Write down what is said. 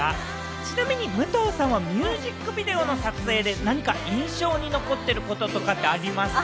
ちなみに武藤さんはミュージックビデオの撮影で何か印象に残ってることとかってありますか？